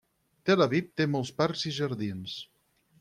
Tel Aviv té molts parcs i jardins.